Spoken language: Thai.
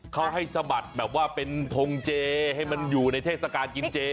เขาให้สะบัดแบบว่าเป็นทงเจให้มันอยู่ในเทศกาลกินเจ